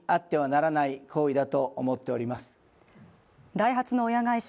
ダイハツの親会社